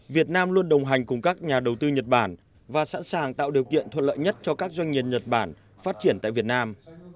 việt nam luôn đồng hành cùng các nhà đầu tư nhật bản và sẵn sàng tạo điều kiện thuận lợi nhất cho các doanh nghiệp nhật bản phát triển tại việt nam